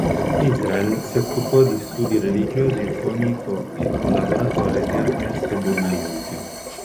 Israel si occupò di studi religiosi e fu amico e collaboratore di Ernesto Buonaiuti.